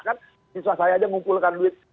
kan susah saya aja ngumpulkan duit